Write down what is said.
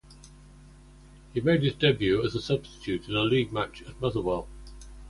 He made his debut as a substitute in a league match at Motherwell.